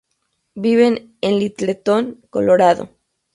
Viven en Littleton, Colorado.